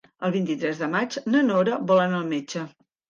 El vint-i-tres de maig na Nora vol anar al metge.